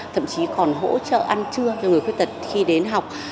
thậm chí còn hỗ trợ ăn trưa cho người khuyết tật khi đến học